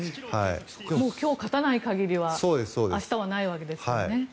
今日、勝たない限りは明日はないわけですからね。